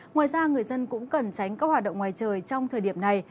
ngoài ra người dân cũng cần tránh các hoạt động ngoài trời trong thời điểm này